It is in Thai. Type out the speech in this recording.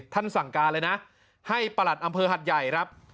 สั่งการเลยนะให้ประหลัดอำเภอหัดใหญ่ครับ